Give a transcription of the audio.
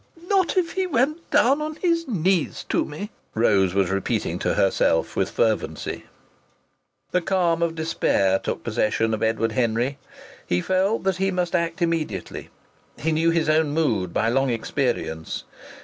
"Not if he went down on his knees to me!" Rose was repeating to herself with fervency. The calm of despair took possession of Edward Henry. He felt that he must act immediately he knew his own mood, by long experience.